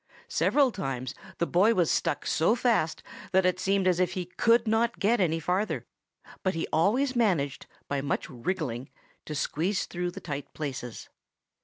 Several times the boy was stuck so fast that it seemed as if he could not get any farther; but he always managed, by much wriggling, to squeeze through the tight places.